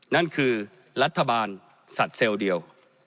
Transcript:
นั่นคือรัฐบาลสัตว์เซลล์เดียว